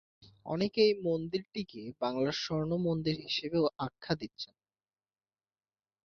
অনেকে এই মন্দিরটিকে বাংলার ‘স্বর্ণ মন্দির’ হিসেবেও আখ্যা দিচ্ছেন।